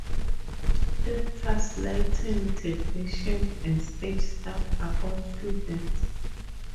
Actors, lighting technicians, and stage staff are all students.